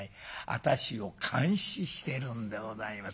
私を監視してるんでございます。